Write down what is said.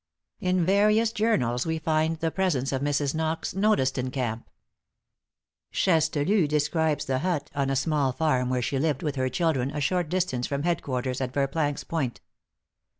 In various journals we find the presence of Mrs. Knox noticed in camp. Chastellux describes the hut on a small farm where she lived with her children, a short distance from head quarters at Verplanck's Point.